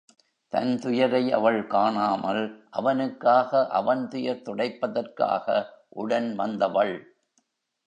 தன் துயரை அவள் காணாமல் அவனுக்காக அவன் துயர் துடைப்பதற்காக உடன் வந்தவள்.